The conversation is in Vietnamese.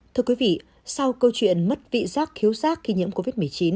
thưa quý vị sau câu chuyện mất vị giác khiếu giác khi nhiễm covid một mươi chín